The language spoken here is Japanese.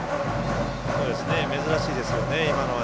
珍しいですね、今のは。